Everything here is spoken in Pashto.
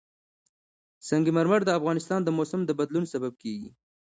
سنگ مرمر د افغانستان د موسم د بدلون سبب کېږي.